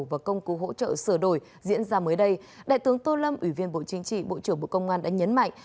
và công cụ hỗ trợ sửa đổi diễn ra mới đây đại tướng tô lâm ủy viên bộ chính trị bộ trưởng bộ công an đã nhấn mạnh